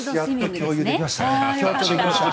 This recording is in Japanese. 共有できましたね。